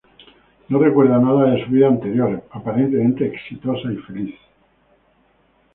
No recuerda nada de su vida anterior, aparentemente exitosa y feliz.